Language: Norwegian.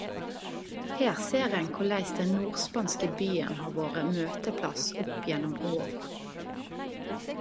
Her ser ein korleis den nordspanske byen har vore møteplass opp gjennom åra.